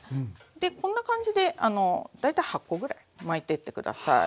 でこんな感じで大体８コぐらい巻いてって下さい。